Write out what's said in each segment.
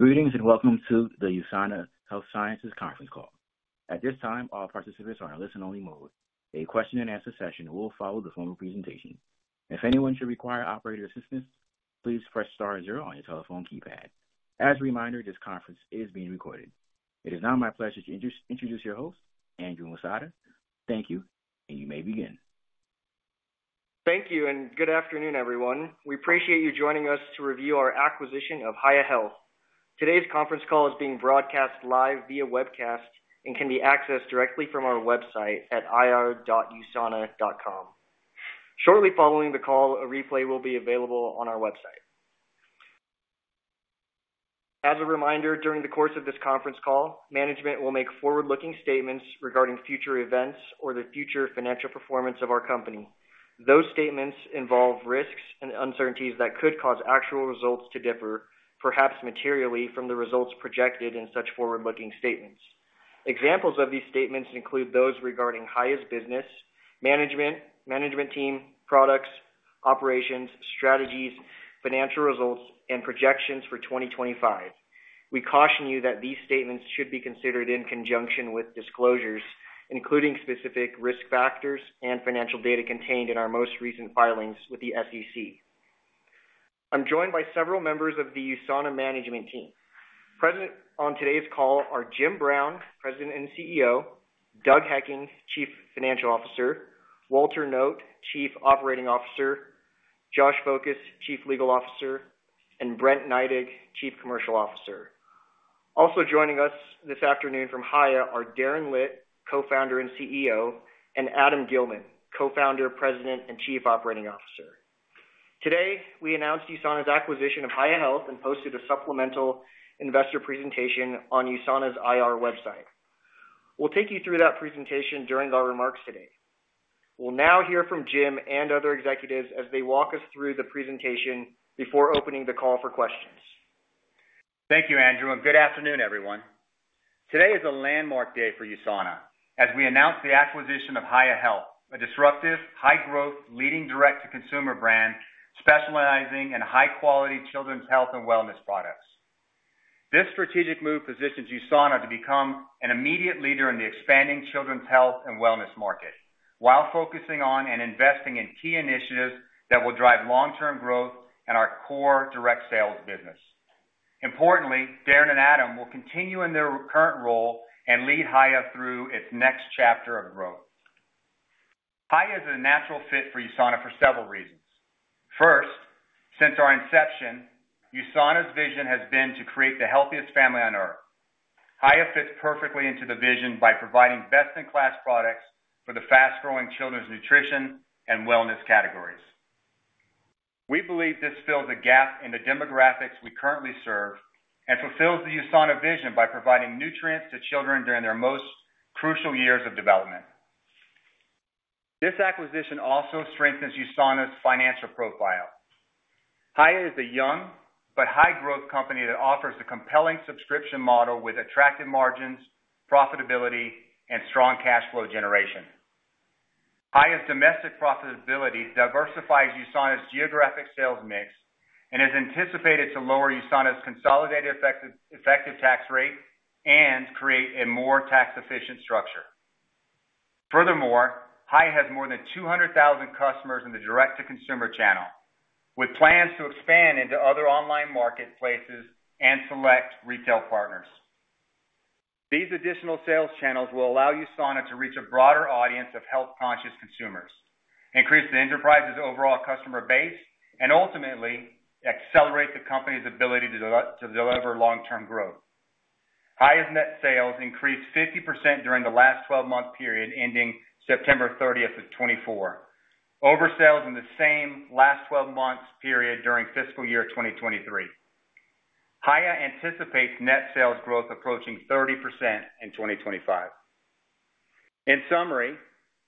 Greetings and welcome to the USANA Health Sciences conference call. At this time, all participants are in listen-only mode. A question-and-answer session will follow the formal presentation. If anyone should require operator assistance, please press star zero on your telephone keypad. As a reminder, this conference is being recorded. It is now my pleasure to introduce your host, Andrew Masuda. Thank you, and you may begin. Thank you, and good afternoon, everyone. We appreciate you joining us to review our acquisition of Hiya Health. Today's conference call is being broadcast live via webcast and can be accessed directly from our website at ir.usana.com. Shortly following the call, a replay will be available on our website. As a reminder, during the course of this conference call, management will make forward-looking statements regarding future events or the future financial performance of our company. Those statements involve risks and uncertainties that could cause actual results to differ, perhaps materially, from the results projected in such forward-looking statements. Examples of these statements include those regarding Hiya Health's business, management, management team, products, operations, strategies, financial results, and projections for 2025. We caution you that these statements should be considered in conjunction with disclosures, including specific risk factors and financial data contained in our most recent filings with the SEC. I'm joined by several members of the USANA management team. Present on today's call are Jim Brown, President and CEO, Doug Hekking, Chief Financial Officer, Walter Noot, Chief Operating Officer, Josh Foukas, Chief Legal Officer, and Brent Neidig, Chief Commercial Officer. Also joining us this afternoon from Hiya are Darren Litt, Co-Founder and CEO, and Adam Gilman, Co-Founder, President, and Chief Operating Officer. Today, we announced USANA's acquisition of Hiya Health and posted a supplemental investor presentation on USANA's IR website. We'll take you through that presentation during our remarks today. We'll now hear from Jim and other executives as they walk us through the presentation before opening the call for questions. Thank you, Andrew, and good afternoon, everyone. Today is a landmark day for USANA as we announce the acquisition of Hiya Health, a disruptive, high-growth, leading direct-to-consumer brand specializing in high-quality children's health and wellness products. This strategic move positions USANA to become an immediate leader in the expanding children's health and wellness market while focusing on and investing in key initiatives that will drive long-term growth in our core direct sales business. Importantly, Darren and Adam will continue in their current role and lead Hiya through its next chapter of growth. Hiya is a natural fit for USANA for several reasons. First, since our inception, USANA's vision has been to create the healthiest family on earth. Hiya fits perfectly into the vision by providing best-in-class products for the fast-growing children's nutrition and wellness categories. We believe this fills a gap in the demographics we currently serve and fulfills the USANA vision by providing nutrients to children during their most crucial years of development. This acquisition also strengthens USANA's financial profile. Hiya is a young but high-growth company that offers a compelling subscription model with attractive margins, profitability, and strong cash flow generation. Hiya's domestic profitability diversifies USANA's geographic sales mix and is anticipated to lower USANA's consolidated effective tax rate and create a more tax-efficient structure. Furthermore, Hiya has more than 200,000 customers in the direct-to-consumer channel, with plans to expand into other online marketplaces and select retail partners. These additional sales channels will allow USANA to reach a broader audience of health-conscious consumers, increase the enterprise's overall customer base, and ultimately accelerate the company's ability to deliver long-term growth. Hiya's net sales increased 50% during the last 12-month period ending September 30th of 2024, over sales in the same last 12-month period during fiscal year 2023. Hiya anticipates net sales growth approaching 30% in 2025. In summary,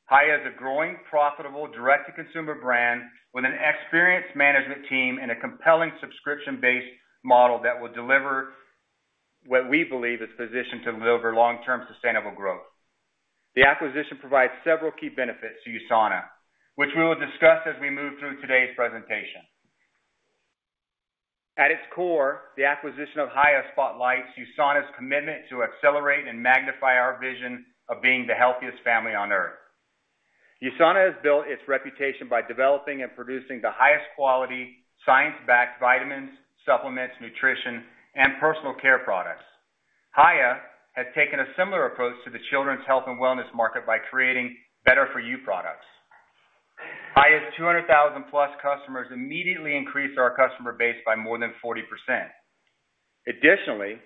Hiya is a growing, profitable direct-to-consumer brand with an experienced management team and a compelling subscription-based model that will deliver what we believe is positioned to deliver long-term sustainable growth. The acquisition provides several key benefits to USANA, which we will discuss as we move through today's presentation. At its core, the acquisition of Hiya spotlights USANA's commitment to accelerate and magnify our vision of being the healthiest family on earth. USANA has built its reputation by developing and producing the highest-quality, science-backed vitamins, supplements, nutrition, and personal care products. Hiya has taken a similar approach to the children's health and wellness market by creating better-for-you products. Hiya's 200,000+ customers immediately increased our customer base by more than 40%. Additionally,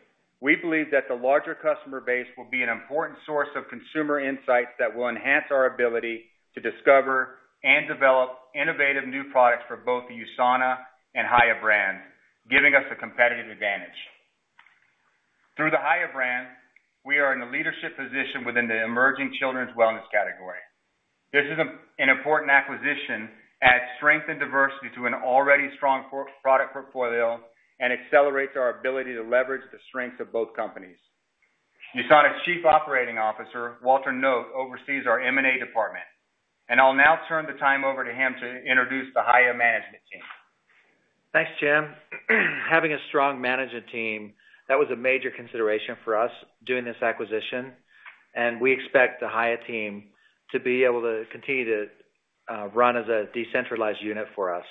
we believe that the larger customer base will be an important source of consumer insights that will enhance our ability to discover and develop innovative new products for both the USANA and Hiya brands, giving us a competitive advantage. Through the Hiya brand, we are in a leadership position within the emerging children's wellness category. This is an important acquisition that adds strength and diversity to an already strong product portfolio and accelerates our ability to leverage the strengths of both companies. USANA's Chief Operating Officer, Walter Noot, oversees our M&A department. I'll now turn the time over to him to introduce the Hiya management team. Thanks, Jim. Having a strong management team, that was a major consideration for us during this acquisition, and we expect the Hiya team to be able to continue to run as a decentralized unit for us.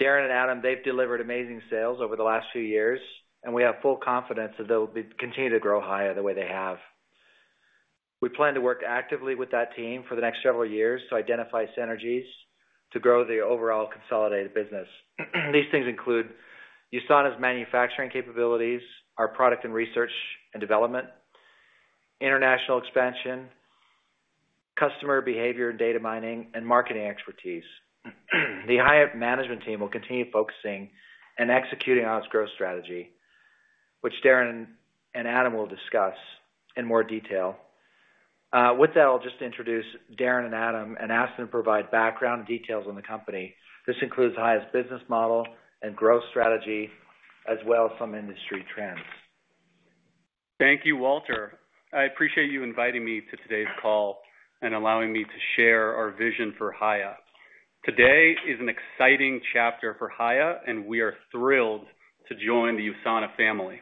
Darren and Adam, they've delivered amazing sales over the last few years, and we have full confidence that they'll continue to grow Hiya the way they have. We plan to work actively with that team for the next several years to identify synergies to grow the overall consolidated business. These things include USANA's manufacturing capabilities, our product and research and development, international expansion, customer behavior and data mining, and marketing expertise. The Hiya management team will continue focusing and executing on its growth strategy, which Darren and Adam will discuss in more detail. With that, I'll just introduce Darren and Adam and ask them to provide background details on the company. This includes Hiya's business model and growth strategy, as well as some industry trends. Thank you, Walter. I appreciate you inviting me to today's call and allowing me to share our vision for Hiya. Today is an exciting chapter for Hiya, and we are thrilled to join the USANA family.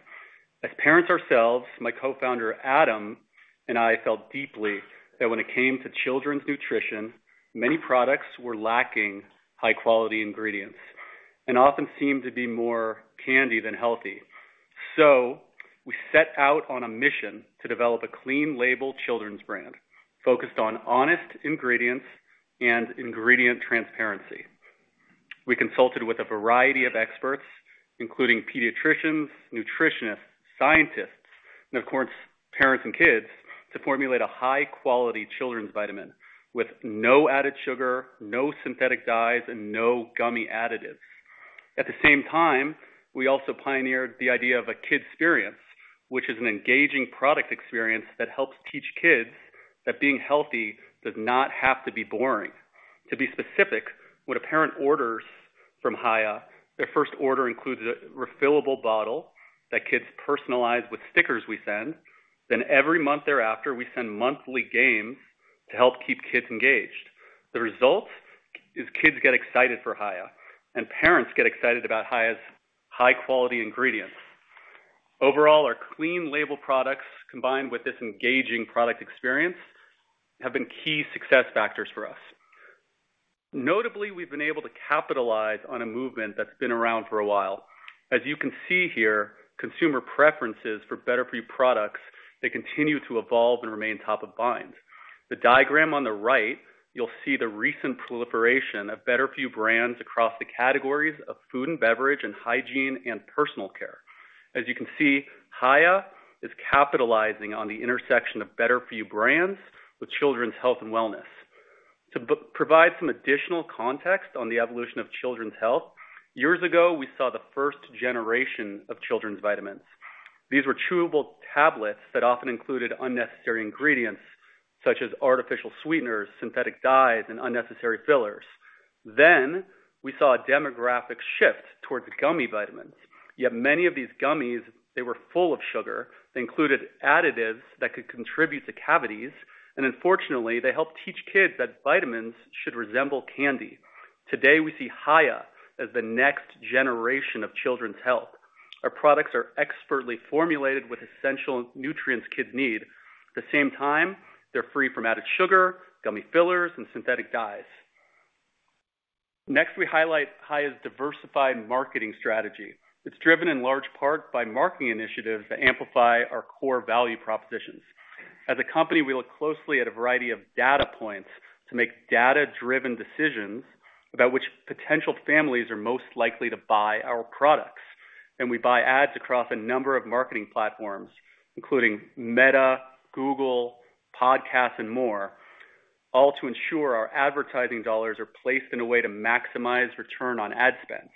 As parents ourselves, my co-founder Adam and I felt deeply that when it came to children's nutrition, many products were lacking high-quality ingredients and often seemed to be more candy than healthy. So we set out on a mission to develop a clean-label children's brand focused on honest ingredients and ingredient transparency. We consulted with a variety of experts, including pediatricians, nutritionists, scientists, and of course, parents and kids, to formulate a high-quality children's vitamin with no added sugar, no synthetic dyes, and no gummy additives. At the same time, we also pioneered the idea of a kid's experience, which is an engaging product experience that helps teach kids that being healthy does not have to be boring. To be specific, when a parent orders from Hiya, their first order includes a refillable bottle that kids personalize with stickers we send. Then every month thereafter, we send monthly games to help keep kids engaged. The result is kids get excited for Hiya, and parents get excited about Hiya's high-quality ingredients. Overall, our clean-label products, combined with this engaging product experience, have been key success factors for us. Notably, we've been able to capitalize on a movement that's been around for a while. As you can see here, consumer preferences for better-for-you products, they continue to evolve and remain top of mind. The diagram on the right, you'll see the recent proliferation of better-for-you brands across the categories of food and beverage, hygiene, and personal care. As you can see, Hiya is capitalizing on the intersection of better-for-you brands with children's health and wellness. To provide some additional context on the evolution of children's health, years ago, we saw the first generation of children's vitamins. These were chewable tablets that often included unnecessary ingredients such as artificial sweeteners, synthetic dyes, and unnecessary fillers. Then we saw a demographic shift towards gummy vitamins. Yet many of these gummies, they were full of sugar. They included additives that could contribute to cavities. And unfortunately, they helped teach kids that vitamins should resemble candy. Today, we see Hiya as the next generation of children's health. Our products are expertly formulated with essential nutrients kids need. At the same time, they're free from added sugar, gummy fillers, and synthetic dyes. Next, we highlight Hiya's diversified marketing strategy. It's driven in large part by marketing initiatives that amplify our core value propositions. As a company, we look closely at a variety of data points to make data-driven decisions about which potential families are most likely to buy our products. And we buy ads across a number of marketing platforms, including Meta, Google, podcasts, and more, all to ensure our advertising dollars are placed in a way to maximize return on ad spend.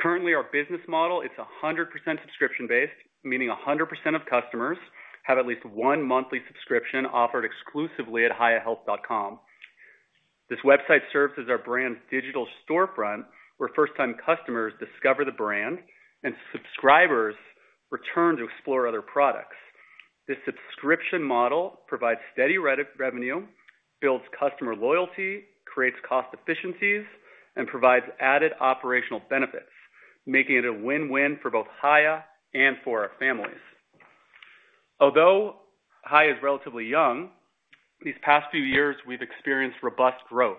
Currently, our business model, it's 100% subscription-based, meaning 100% of customers have at least one monthly subscription offered exclusively at hiyahealth.com. This website serves as our brand's digital storefront, where first-time customers discover the brand and subscribers return to explore other products. This subscription model provides steady revenue, builds customer loyalty, creates cost efficiencies, and provides added operational benefits, making it a win-win for both Hiya and for our families. Although Hiya is relatively young, these past few years, we've experienced robust growth.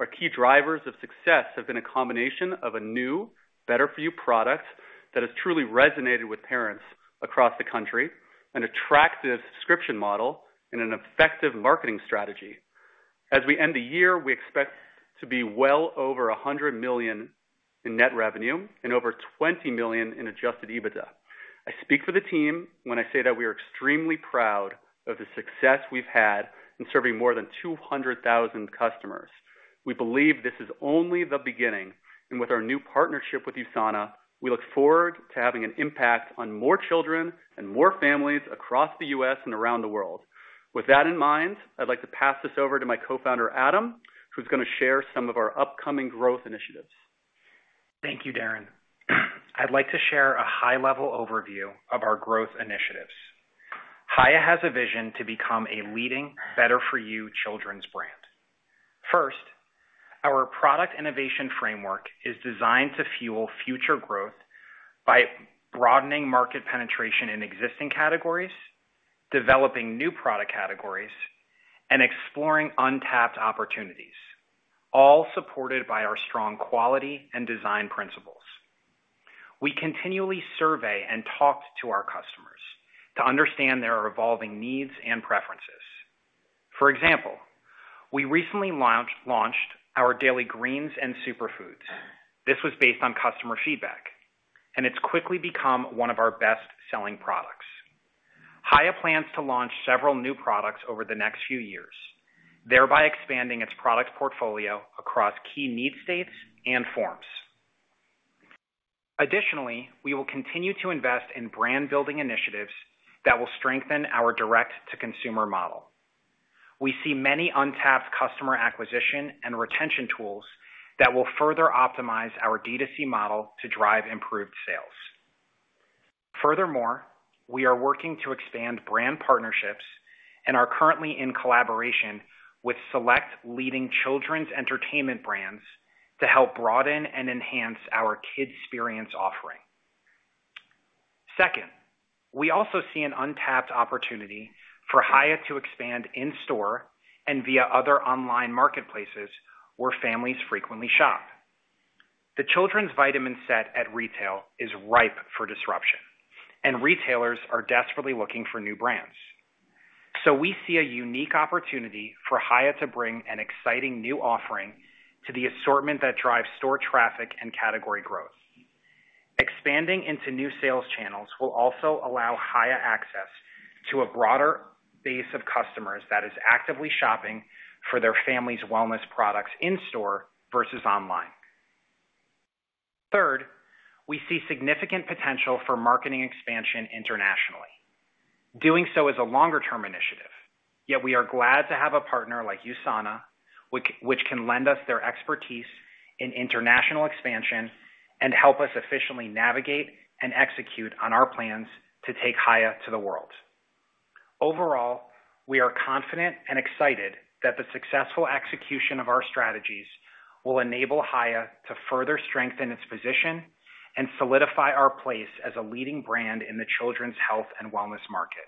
Our key drivers of success have been a combination of a new, better-for-you product that has truly resonated with parents across the country, an attractive subscription model, and an effective marketing strategy. As we end the year, we expect to be well over $100 million in net revenue and over $20 million in Adjusted EBITDA. I speak for the team when I say that we are extremely proud of the success we've had in serving more than 200,000 customers. We believe this is only the beginning. And with our new partnership with USANA, we look forward to having an impact on more children and more families across the U.S. and around the world. With that in mind, I'd like to pass this over to my co-founder, Adam, who's going to share some of our upcoming growth initiatives. Thank you, Darren. I'd like to share a high-level overview of our growth initiatives. Hiya has a vision to become a leading, better-for-you children's brand. First, our product innovation framework is designed to fuel future growth by broadening market penetration in existing categories, developing new product categories, and exploring untapped opportunities, all supported by our strong quality and design principles. We continually survey and talk to our customers to understand their evolving needs and preferences. For example, we recently launched our daily greens and superfoods. This was based on customer feedback, and it's quickly become one of our best-selling products. Hiya plans to launch several new products over the next few years, thereby expanding its product portfolio across key need states and forms. Additionally, we will continue to invest in brand-building initiatives that will strengthen our direct-to-consumer model. We see many untapped customer acquisition and retention tools that will further optimize our D2C model to drive improved sales. Furthermore, we are working to expand brand partnerships and are currently in collaboration with select leading children's entertainment brands to help broaden and enhance our kids' experience offering. Second, we also see an untapped opportunity for Hiya to expand in-store and via other online marketplaces where families frequently shop. The children's vitamin set at retail is ripe for disruption, and retailers are desperately looking for new brands. So we see a unique opportunity for Hiya to bring an exciting new offering to the assortment that drives store traffic and category growth. Expanding into new sales channels will also allow Hiya access to a broader base of customers that is actively shopping for their family's wellness products in-store versus online. Third, we see significant potential for marketing expansion internationally. Doing so is a longer-term initiative, yet we are glad to have a partner like USANA, which can lend us their expertise in international expansion and help us efficiently navigate and execute on our plans to take Hiya to the world. Overall, we are confident and excited that the successful execution of our strategies will enable Hiya to further strengthen its position and solidify our place as a leading brand in the children's health and wellness market.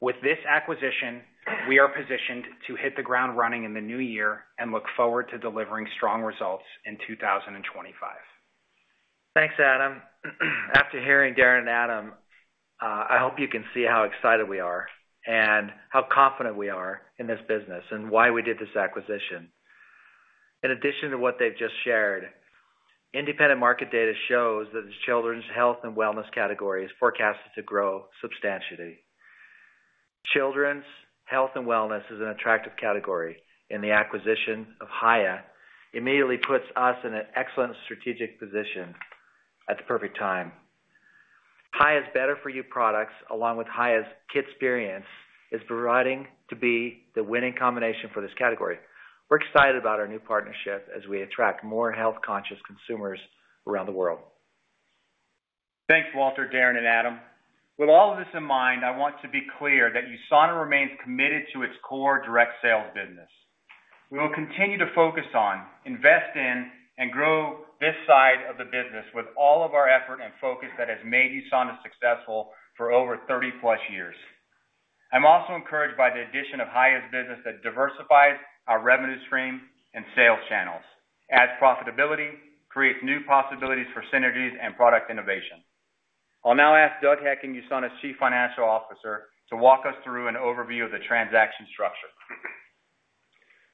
With this acquisition, we are positioned to hit the ground running in the new year and look forward to delivering strong results in 2025. Thanks, Adam. After hearing Darren and Adam, I hope you can see how excited we are and how confident we are in this business and why we did this acquisition. In addition to what they've just shared, independent market data shows that the children's health and wellness category is forecasted to grow substantially. Children's health and wellness is an attractive category, and the acquisition of Hiya immediately puts us in an excellent strategic position at the perfect time. Hiya's better-for-you products, along with Hiya's kids' experience, is proving to be the winning combination for this category. We're excited about our new partnership as we attract more health-conscious consumers around the world. Thanks, Walter, Darren, and Adam. With all of this in mind, I want to be clear that USANA remains committed to its core direct sales business. We will continue to focus on, invest in, and grow this side of the business with all of our effort and focus that has made USANA successful for over 30-plus years. I'm also encouraged by the addition of Hiya's business that diversifies our revenue stream and sales channels, as profitability creates new possibilities for synergies and product innovation. I'll now ask Doug Hekking, USANA's Chief Financial Officer, to walk us through an overview of the transaction structure.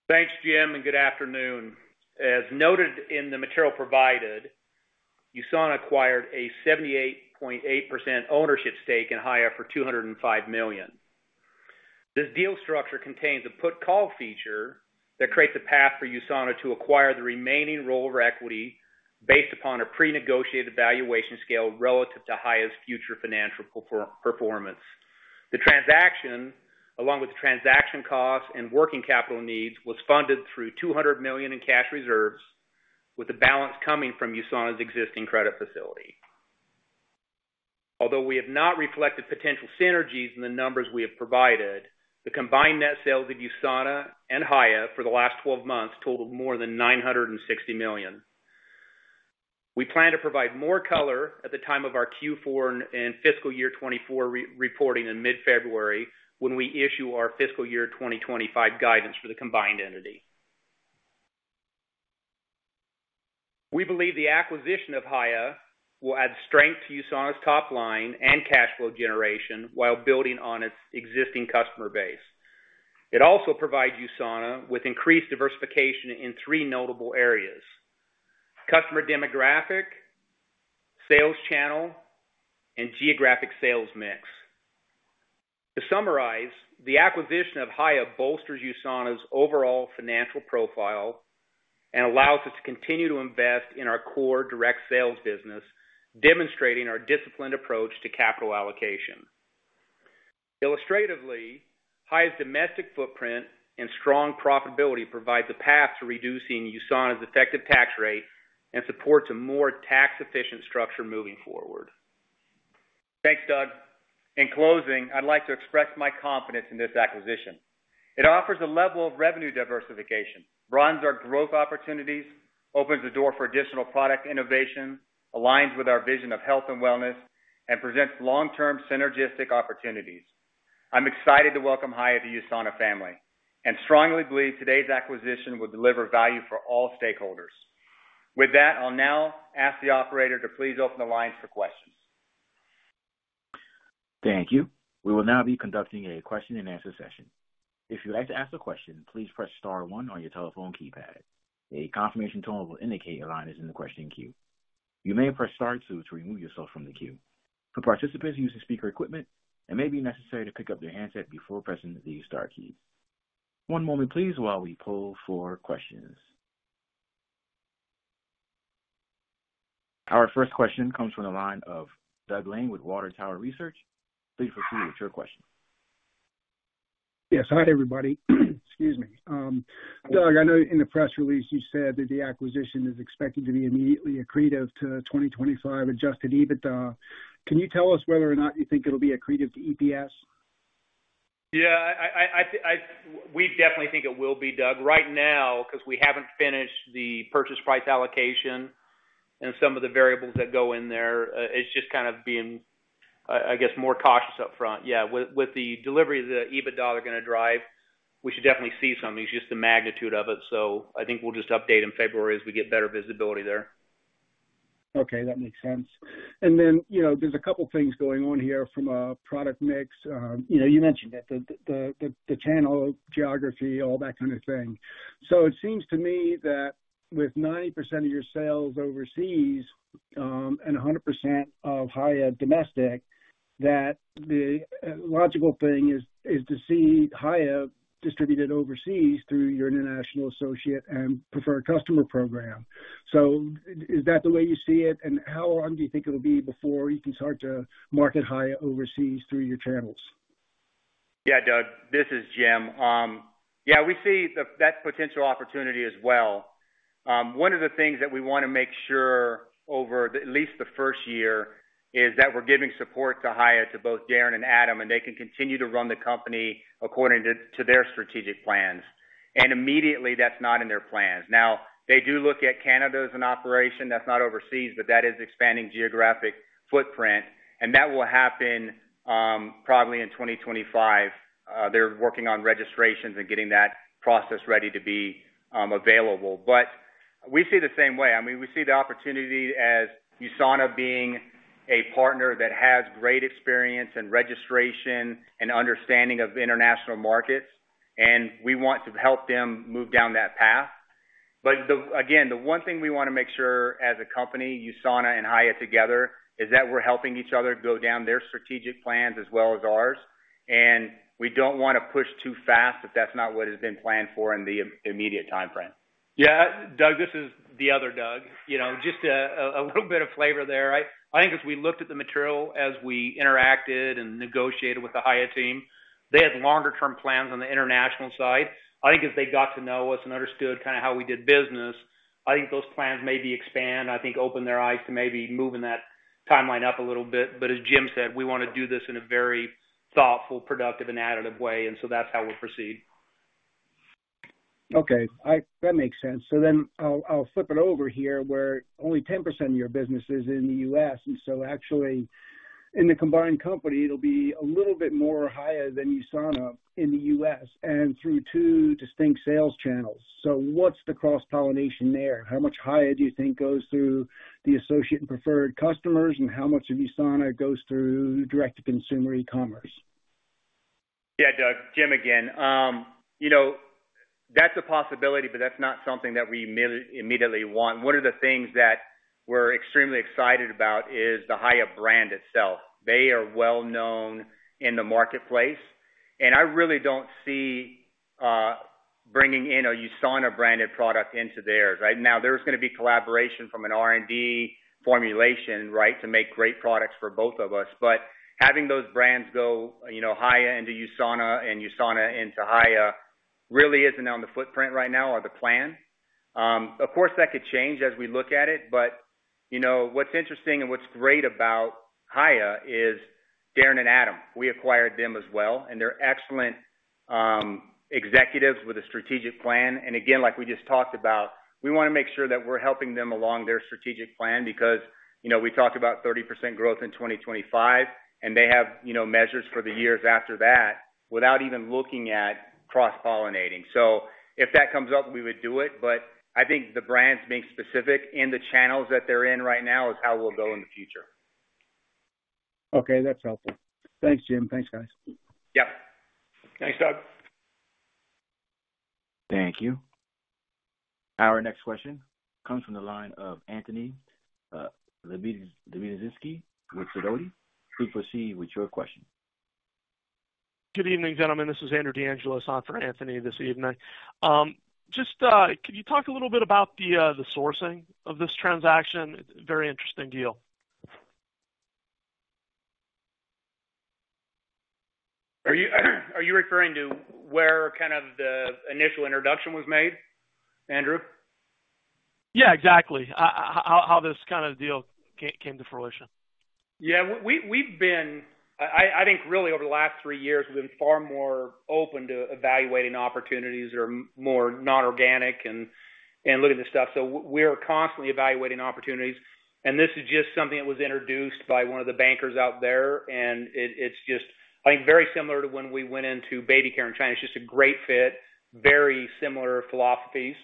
Thanks, Jim, and good afternoon. As noted in the material provided, USANA acquired a 78.8% ownership stake in Hiya for $205 million. This deal structure contains a put-call feature that creates a path for USANA to acquire the remaining roll over equity based upon a pre-negotiated valuation scale relative to Hiya's future financial performance. The transaction, along with the transaction costs and working capital needs, was funded through $200 million in cash reserves, with the balance coming from USANA's existing credit facility. Although we have not reflected potential synergies in the numbers we have provided, the combined net sales of USANA and Hiya for the last 12 months totaled more than $960 million. We plan to provide more color at the time of our Q4 and fiscal year 24 reporting in mid-February when we issue our fiscal year 2025 guidance for the combined entity. We believe the acquisition of Hiya Health will add strength to USANA's top line and cash flow generation while building on its existing customer base. It also provides USANA with increased diversification in three notable areas: customer demographic, sales channel, and geographic sales mix. To summarize, the acquisition of Hiya Health bolsters USANA's overall financial profile and allows us to continue to invest in our core direct sales business, demonstrating our disciplined approach to capital allocation. Illustratively, Hiya Health's domestic footprint and strong profitability provide the path to reducing USANA's effective tax rate and support a more tax-efficient structure moving forward. Thanks, Doug. In closing, I'd like to express my confidence in this acquisition. It offers a level of revenue diversification, broadens our growth opportunities, opens the door for additional product innovation, aligns with our vision of health and wellness, and presents long-term synergistic opportunities. I'm excited to welcome Hiya to the USANA family and strongly believe today's acquisition will deliver value for all stakeholders. With that, I'll now ask the operator to please open the lines for questions. Thank you. We will now be conducting a question-and-answer session. If you'd like to ask a question, please press star one on your telephone keypad. A confirmation tone will indicate a line is in the question queue. You may press star two to remove yourself from the queue. For participants using speaker equipment, it may be necessary to pick up their handset before pressing the star keys. One moment, please, while we pull for questions. Our first question comes from the line of Doug Lane with Water Tower Research. Please proceed with your question. Yes. Hi, everybody. Excuse me. Doug, I know in the press release you said that the acquisition is expected to be immediately accretive to 2025 Adjusted EBITDA. Can you tell us whether or not you think it'll be accretive to EPS? Yeah. We definitely think it will be, Doug. Right now, because we haven't finished the purchase price allocation and some of the variables that go in there, it's just kind of being, I guess, more cautious upfront. Yeah. With the delivery of the EBITDA they're going to drive, we should definitely see something. It's just the magnitude of it. So I think we'll just update in February as we get better visibility there. Okay. That makes sense. And then there's a couple of things going on here from a product mix. You mentioned it, the channel geography, all that kind of thing. So it seems to me that with 90% of your sales overseas and 100% of Hiya domestic, that the logical thing is to see Hiya distributed overseas through your international associate and preferred customer program. So is that the way you see it? And how long do you think it'll be before you can start to market Hiya overseas through your channels? Yeah, Doug, this is Jim. Yeah, we see that potential opportunity as well. One of the things that we want to make sure over at least the first year is that we're giving support to Hiya to both Darren and Adam, and they can continue to run the company according to their strategic plans. And immediately, that's not in their plans. Now, they do look at Canada as an operation. That's not overseas, but that is expanding geographic footprint. And that will happen probably in 2025. They're working on registrations and getting that process ready to be available. But we see the same way. I mean, we see the opportunity as USANA being a partner that has great experience and registration and understanding of international markets. And we want to help them move down that path. But again, the one thing we want to make sure as a company, USANA and Hiya together, is that we're helping each other go down their strategic plans as well as ours. And we don't want to push too fast if that's not what has been planned for in the immediate timeframe. Yeah. Doug, this is the other Doug. Just a little bit of flavor there. I think as we looked at the material as we interacted and negotiated with the Hiya team, they had longer-term plans on the international side. I think as they got to know us and understood kind of how we did business, I think those plans maybe expand. I think open their eyes to maybe moving that timeline up a little bit. But as Jim said, we want to do this in a very thoughtful, productive, and additive way. And so that's how we'll proceed. Okay. That makes sense. So then I'll flip it over here where only 10% of your business is in the U.S. And so actually, in the combined company, it'll be a little bit more Hiya than USANA in the U.S. and through two distinct sales channels. So what's the cross-pollination there? How much Hiya do you think goes through the associate and preferred customers, and how much of USANA goes through direct-to-consumer e-commerce? Yeah, Doug. Jim again. That's a possibility, but that's not something that we immediately want. One of the things that we're extremely excited about is the Hiya brand itself. They are well-known in the marketplace. And I really don't see bringing in a USANA-branded product into theirs. Now, there's going to be collaboration from an R&D formulation to make great products for both of us. But having those brands go Hiya into USANA and USANA into Hiya really isn't on the footprint right now or the plan. Of course, that could change as we look at it. But what's interesting and what's great about Hiya is Darren and Adam. We acquired them as well. And they're excellent executives with a strategic plan. And again, like we just talked about, we want to make sure that we're helping them along their strategic plan because we talked about 30% growth in 2025, and they have measures for the years after that without even looking at cross-pollinating. So if that comes up, we would do it. But I think the brand's being specific in the channels that they're in right now is how we'll go in the future. Okay. That's helpful. Thanks, Jim. Thanks, guys. Yep. Thanks, Doug. Thank you. Our next question comes from the line of Anthony Lebiedzinski with Sidoti & Company. Please proceed with your question. Good evening, gentlemen. This is Andrew DeAngelis on for Anthony this evening. Just can you talk a little bit about the sourcing of this transaction? It's a very interesting deal. Are you referring to where kind of the initial introduction was made, Andrew? Yeah, exactly. How this kind of deal came to fruition? Yeah. I think really over the last three years, we've been far more open to evaluating opportunities that are more non-organic and looking at this stuff. So we're constantly evaluating opportunities. And this is just something that was introduced by one of the bankers out there. And it's just, I think, very similar to when we went into baby care in China. It's just a great fit, very similar philosophies,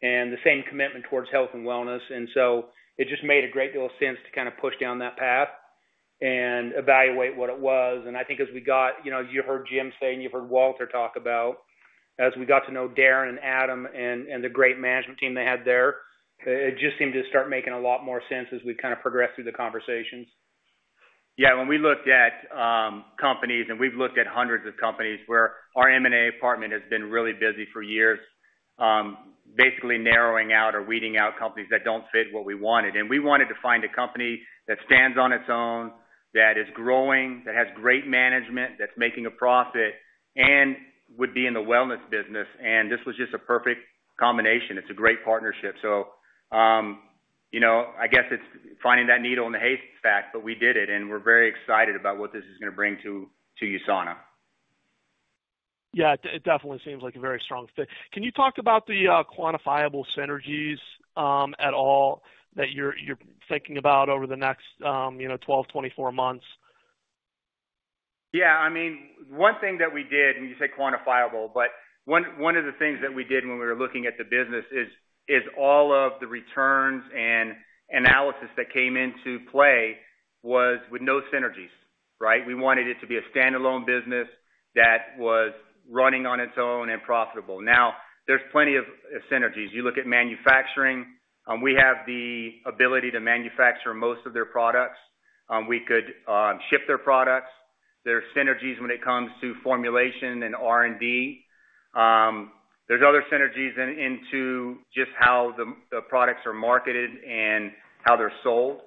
and the same commitment towards health and wellness. And so it just made a great deal of sense to kind of push down that path and evaluate what it was. And I think, as you heard Jim saying, you've heard Walter talk about, as we got to know Darren and Adam and the great management team they had there, it just seemed to start making a lot more sense as we kind of progressed through the conversations. Yeah. When we looked at companies and we've looked at hundreds of companies where our M&A department has been really busy for years basically narrowing out or weeding out companies that don't fit what we wanted. And we wanted to find a company that stands on its own, that is growing, that has great management, that's making a profit, and would be in the wellness business. And this was just a perfect combination. It's a great partnership. So I guess it's finding that needle in the haystack, but we did it. And we're very excited about what this is going to bring to USANA. Yeah. It definitely seems like a very strong fit. Can you talk about the quantifiable synergies at all that you're thinking about over the next 12, 24 months? Yeah. I mean, one thing that we did, and you say quantifiable, but one of the things that we did when we were looking at the business is all of the returns and analysis that came into play was with no synergies, right? We wanted it to be a standalone business that was running on its own and profitable. Now, there's plenty of synergies. You look at manufacturing. We have the ability to manufacture most of their products. We could ship their products. There are synergies when it comes to formulation and R&D. There's other synergies into just how the products are marketed and how they're sold.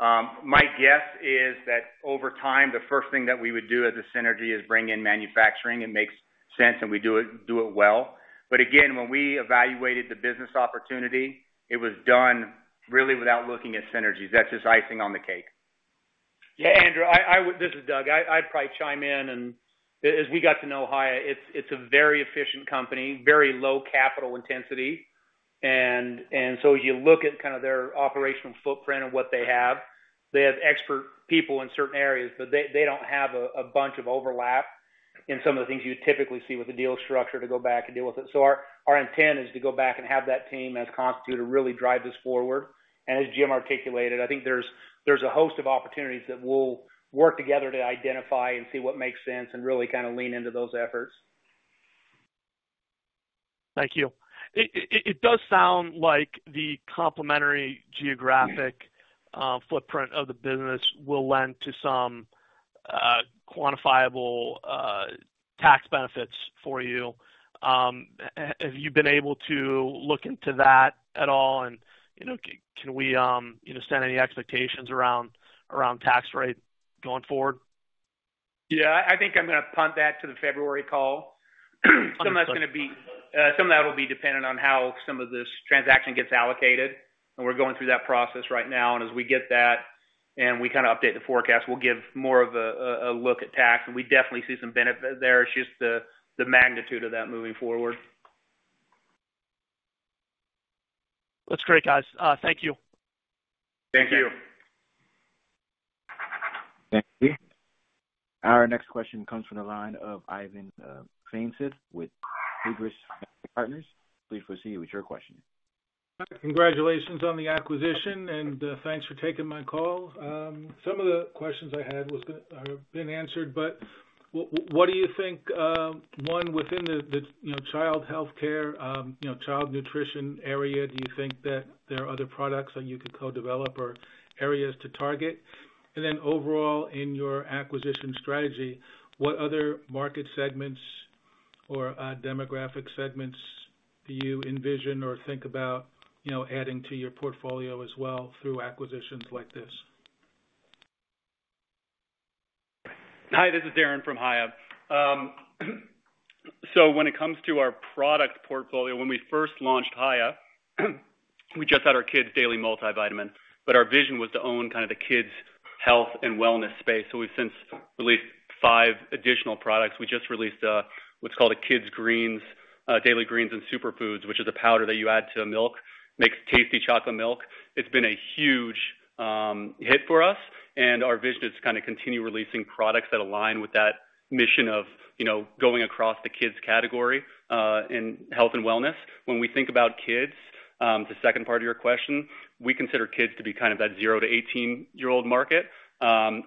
My guess is that over time, the first thing that we would do as a synergy is bring in manufacturing. It makes sense, and we do it well. But again, when we evaluated the business opportunity, it was done really without looking at synergies. That's just icing on the cake. Yeah, Andrew. This is Doug. I'd probably chime in. And as we got to know Hiya, it's a very efficient company, very low capital intensity. And so as you look at kind of their operational footprint and what they have, they have expert people in certain areas, but they don't have a bunch of overlap in some of the things you typically see with the deal structure to go back and deal with it. So our intent is to go back and have that team as constituted to really drive this forward. And as Jim articulated, I think there's a host of opportunities that we'll work together to identify and see what makes sense and really kind of lean into those efforts. Thank you. It does sound like the complementary geographic footprint of the business will lend to some quantifiable tax benefits for you. Have you been able to look into that at all? And can we set any expectations around tax rate going forward? Yeah. I think I'm going to punt that to the February call. Some of that's going to be some of that will be dependent on how some of this transaction gets allocated, and we're going through that process right now, and as we get that and we kind of update the forecast, we'll give more of a look at tax, and we definitely see some benefit there. It's just the magnitude of that moving forward. That's great, guys. Thank you. Thank you. Thank you. Our next question comes from the line of Ivan Feinseth with Tigress Financial Partners. Please proceed with your question. Congratulations on the acquisition, and thanks for taking my call. Some of the questions I had have been answered. But what do you think, one, within the child healthcare, child nutrition area, do you think that there are other products that you could co-develop or areas to target? And then overall, in your acquisition strategy, what other market segments or demographic segments do you envision or think about adding to your portfolio as well through acquisitions like this? Hi, this is Darren from Hiya. So when it comes to our product portfolio, when we first launched Hiya, we just had our kids' daily multivitamin. But our vision was to own kind of the kids' health and wellness space. So we've since released five additional products. We just released what's called Kids Daily Greens and Superfoods, which is a powder that you add to milk, makes tasty chocolate milk. It's been a huge hit for us. And our vision is to kind of continue releasing products that align with that mission of going across the kids' category in health and wellness. When we think about kids, the second part of your question, we consider kids to be kind of that 0 to 18-year-old market.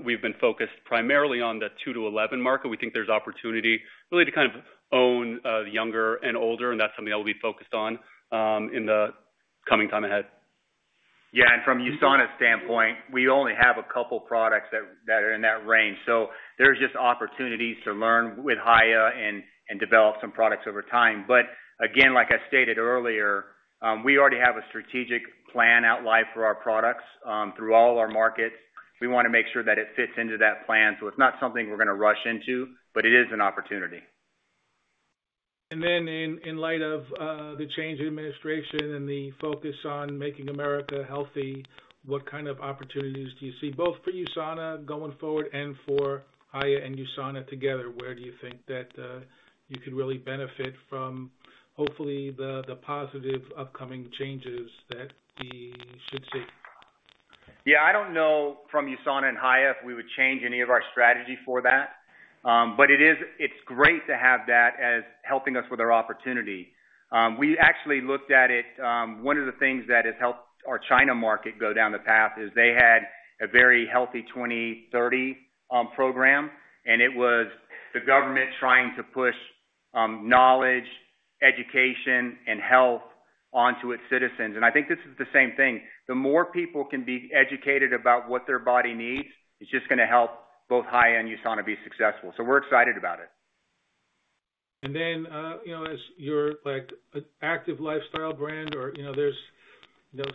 We've been focused primarily on the 2-11 market. We think there's opportunity really to kind of own the younger and older. That's something that we'll be focused on in the coming time ahead. Yeah. From USANA's standpoint, we only have a couple of products that are in that range. There's just opportunities to learn with Hiya and develop some products over time. Again, like I stated earlier, we already have a strategic plan outlined for our products through all our markets. We want to make sure that it fits into that plan. It's not something we're going to rush into, but it is an opportunity. And then in light of the change in administration and the focus on making America healthy, what kind of opportunities do you see both for USANA going forward and for Hiya and USANA together? Where do you think that you could really benefit from, hopefully, the positive upcoming changes that we should see? Yeah. I don't know from USANA and Hiya if we would change any of our strategy for that, but it's great to have that as helping us with our opportunity. We actually looked at it. One of the things that has helped our China market go down the path is they had a very healthy 2030 program, and it was the government trying to push knowledge, education, and health onto its citizens, and I think this is the same thing. The more people can be educated about what their body needs, it's just going to help both Hiya and USANA be successful, so we're excited about it. And then as you're an active lifestyle brand, there's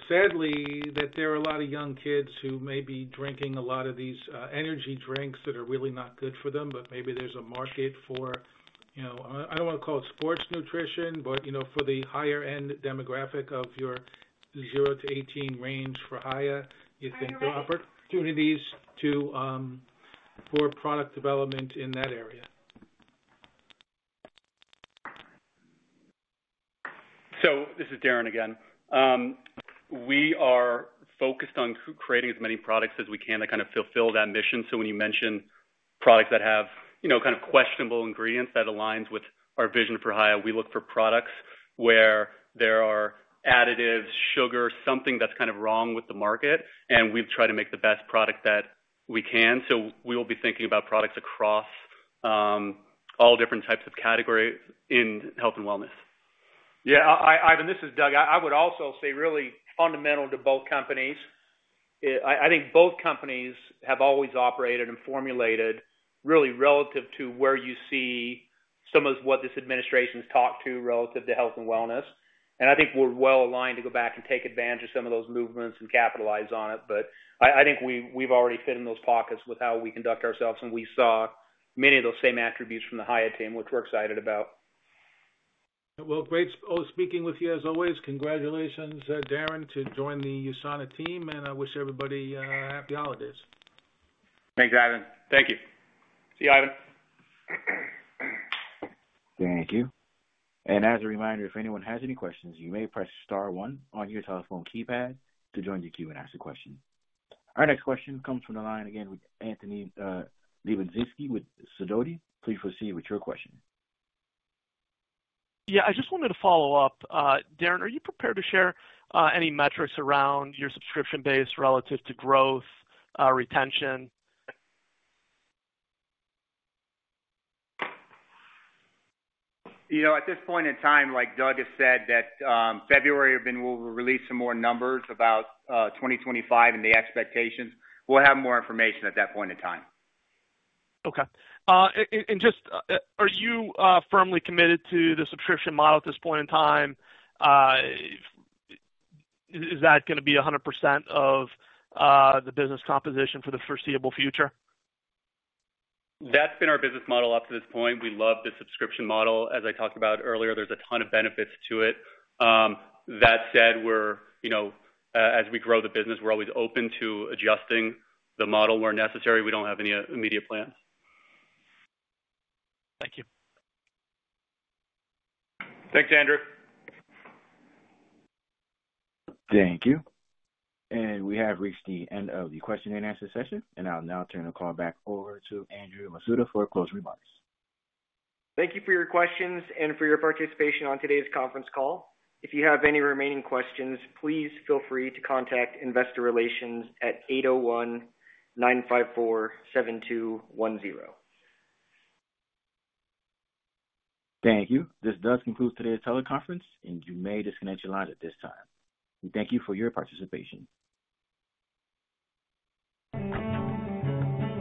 sadly that there are a lot of young kids who may be drinking a lot of these energy drinks that are really not good for them, but maybe there's a market for I don't want to call it sports nutrition, but for the higher-end demographic of your 0-18 range for Hiya, you think there are opportunities for product development in that area? This is Darren again. We are focused on creating as many products as we can to kind of fulfill that mission. So when you mention products that have kind of questionable ingredients that align with our vision for Hiya, we look for products where there are additives, sugar, something that's kind of wrong with the market. And we've tried to make the best product that we can. So we will be thinking about products across all different types of categories in health and wellness. Yeah. Ivan, this is Doug. I would also say really fundamental to both companies. I think both companies have always operated and formulated really relative to where you see some of what this administration's talked to relative to health and wellness. And I think we're well aligned to go back and take advantage of some of those movements and capitalize on it. But I think we've already fit in those pockets with how we conduct ourselves. And we saw many of those same attributes from the Hiya team, which we're excited about. Great speaking with you as always. Congratulations, Darren, to join the USANA team. I wish everybody happy holidays. Thanks, Ivan. Thank you. See you, Ivan. Thank you. And as a reminder, if anyone has any questions, you may press star one on your telephone keypad to join the Q&A question. Our next question comes from the line again with Anthony Lebiedzinski with Sidoti & Company. Please proceed with your question. Yeah. I just wanted to follow up. Darren, are you prepared to share any metrics around your subscription base relative to growth, retention? At this point in time, like Doug has said, that February will release some more numbers about 2025 and the expectations. We'll have more information at that point in time. Okay. And, just, are you firmly committed to the subscription model at this point in time? Is that going to be 100% of the business composition for the foreseeable future? That's been our business model up to this point. We love the subscription model. As I talked about earlier, there's a ton of benefits to it. That said, as we grow the business, we're always open to adjusting the model where necessary. We don't have any immediate plans. Thank you. Thanks, Andrew. Thank you. We have reached the end of the question and answer session. I'll now turn the call back over to Andrew Masuda for closing remarks. Thank you for your questions and for your participation on today's conference call. If you have any remaining questions, please feel free to contact Investor Relations at 801-954-7210. Thank you. This does conclude today's teleconference. And you may disconnect your lines at this time. We thank you for your participation.